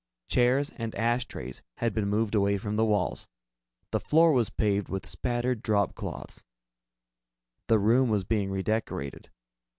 Chairs and ashtrays had been moved away from the walls. The floor was paved with spattered dropcloths. The room was being redecorated.